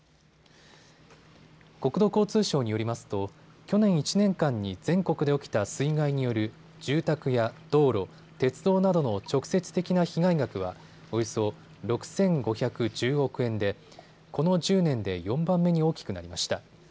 国土交通省によりますと去年１年間に全国で起きた水害による住宅や道路、鉄道などの直接的な被害額はおよそ６５１０億円でこの１０年で４番目に大きくなりました。